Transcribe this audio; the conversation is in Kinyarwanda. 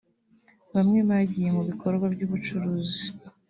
Bamwe bagiye mu bikorwa by’ubucuruzi